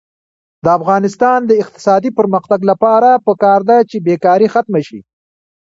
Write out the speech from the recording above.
د افغانستان د اقتصادي پرمختګ لپاره پکار ده چې بېکاري ختمه شي.